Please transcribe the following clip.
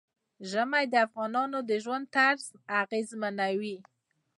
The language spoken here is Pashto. ژمی د افغانانو د ژوند طرز اغېزمنوي.